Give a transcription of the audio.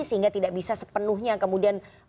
sehingga tidak bisa sepenuhnya kemudian